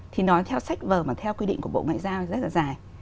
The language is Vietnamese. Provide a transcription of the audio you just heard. thì nói theo sách vở mà theo quy định của bộ ngoại giao rất là dài